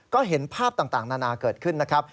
ก็เห็นภาพต่างนานาเกิดขึ้นนะครับ